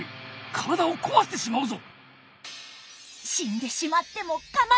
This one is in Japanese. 体を壊してしまうぞ！